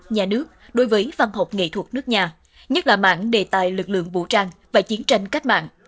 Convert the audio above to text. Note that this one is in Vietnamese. nhà nước đối với văn học nghệ thuật nước nhà nhất là mạng đề tài lực lượng vũ trang và chiến tranh cách mạng